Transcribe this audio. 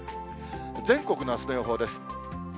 全国のあすの予報です。